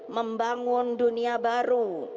membangun dunia baru